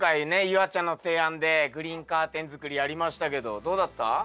夕空ちゃんの提案でグリーンカーテン作りやりましたけどどうだった？